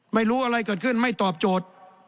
ไม่รู้อะไรเกิดขึ้นไม่ตอบโจทย์